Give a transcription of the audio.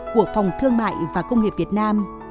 của phòng thương mại và công nghiệp việt nam